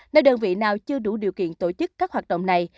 nơi đơn vị nào chưa đủ điều kiện tổ chức các hoạt động này